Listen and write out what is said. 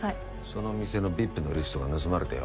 その店のＶＩＰのリストが盗まれてよ